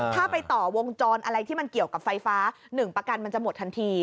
ถ้าไปต่อวงจรอะไรที่มันเกี่ยวกับไฟฟ้า๑ประกันมันจะหมดทันที